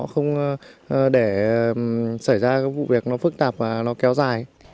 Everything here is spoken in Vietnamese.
không để xảy ra vụ việc nó phức tạp và nó kéo dài